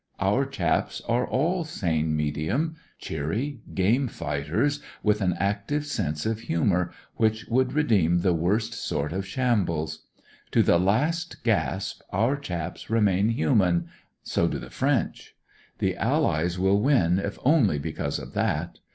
Our chaps are all sane medium — cheery, game fighters with an active sense of humour whic^ would redeem the worst sort of shambles. To the last gasp our chaps remain human, so do the French. The AUies will win if only because of that.